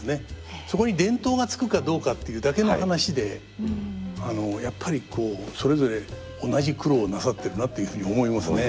そこに伝統がつくかどうかっていうだけの話でやっぱりこうそれぞれ同じ苦労をなさってるなというふうに思いますね。